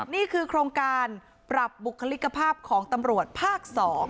นี่คือโครงการปรับบุคลิกภาพของตำรวจภาค๒